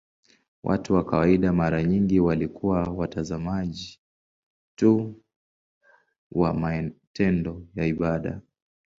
Watu wa kawaida mara nyingi walikuwa watazamaji tu wa matendo ya ibada.